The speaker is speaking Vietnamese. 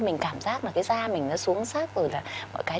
mình cảm giác là cái da mình nó xuống sát rồi là mọi cái